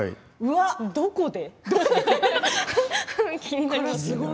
どこで。